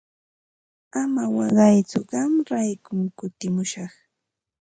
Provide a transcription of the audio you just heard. Ama waqaytsu qamraykum kutimushaq.